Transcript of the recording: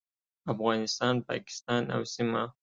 افغانستان، پاکستان او سیمه